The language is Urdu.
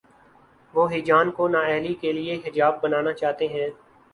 وہ ہیجان کو نا اہلی کے لیے حجاب بنانا چاہتے ہیں۔